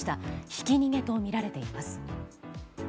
ひき逃げとみられています。